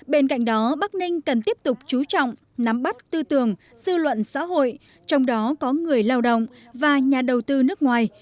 bên cạnh đó bắc ninh cần tiếp tục chú trọng nắm bắt tư tường dư luận xã hội trong đó có người lao động và nhà đầu tư nước ngoài